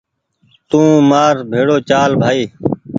تو مآر بهڙو چال بهائي